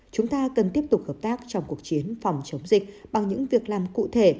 chúng ta cần tiếp tục hợp tác trong cuộc chiến phòng chống dịch bằng những việc làm cụ thể